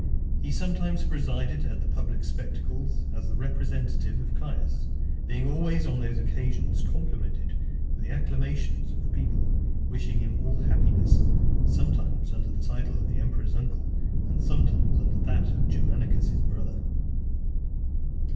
He sometimes presided at the public spectacles, as the representative of Caius; being always, on those occasions, complimented with the acclamations of the people, wishing him all happiness, sometimes under the title of the emperor's uncle, and sometimes under that of Germanicus's brother.